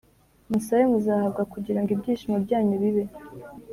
Musabe muzahabwa kugira ngo ibyishimo byanyu bibe